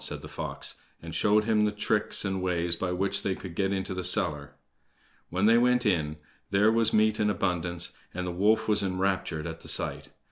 said the fox, and showed him the tricks and ways by which they could get into the cellar. When they went in there was meat in abundance, and the wolf was enraptured at the sight.